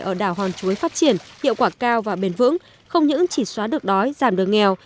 ở đảo hòn chuối phát triển hiệu quả cao và bền vững không những chỉ xóa được đói giảm được nghèo